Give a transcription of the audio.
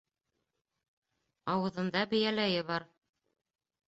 Ауыҙында бейәләйе бар.